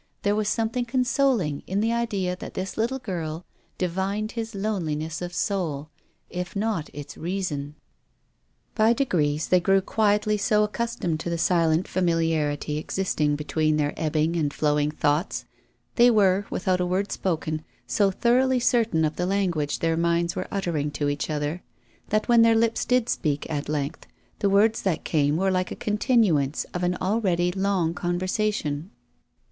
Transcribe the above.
There was something consoling in the idea that this little girl divined his loneliness of soul, if not its reason. By degrees they grew quietly so accustomed to the silent familiarity existing between their ebb ing and flowing thoughts ; they were — without a word spoken — so thoroughly certain of the language their minds were uttering to each other, that when their lips did speak at length, the words that came were like a continuance of an already long conversation.